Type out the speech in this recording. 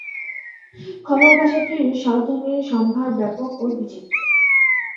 খমের ভাষাটির স্বরধ্বনির সম্ভার ব্যাপক ও বিচিত্র।